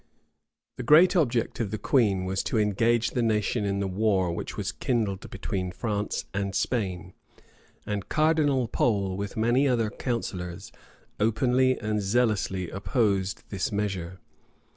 } The great object of the queen was to engage the nation in the war which was kindled between France and Spain; and Cardinal Pole, with many other counsellors, openly and zealously opposed this measure.